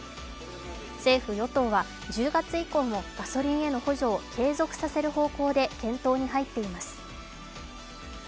政府・与党は１０月以降もガソリンへの補助を継続させる方向で検討に入っています。